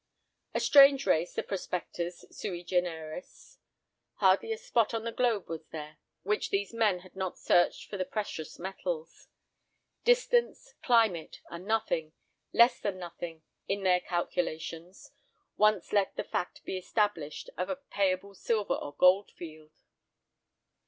A strange race, the prospectors, sui generis. Hardly a spot on the globe was there which these men had not searched for the precious metals. Distance, climate, are nothing, less than nothing, in their calculations, once let the fact be established of a payable silver or gold "field."